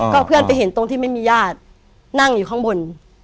ก็เพื่อนไปเห็นตรงที่ไม่มีญาตินั่งอยู่ข้างบน